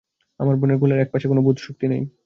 আমার বোনের গালের এক পাশে কোনো বোধ শক্তি নেই।